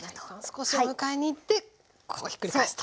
少しお迎えにいってこうひっくり返すと。